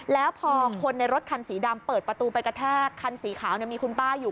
แล้วพอคนในรถคันสีดำเปิดประตูไปกระแทกคันสีขาวมีคุณป้าอยู่